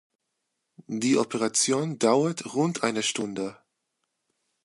Die Operation dauert rund eine Stunde.